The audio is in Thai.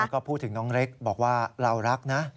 ก็พูดถึงน้องเล็กบอกว่าเรารักนะ